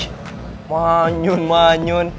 ih manyun manyun